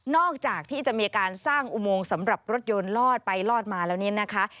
อกจากที่จะมีการสร้างอุโมงสำหรับรถยนต์ลอดไปลอดมาแล้วเนี่ยนะคะ